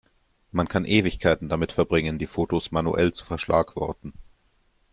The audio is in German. Man kann Ewigkeiten damit verbringen, die Fotos manuell zu verschlagworten.